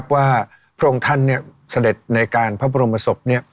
พระองค์ท่านเสด็จในการพระบรมศพ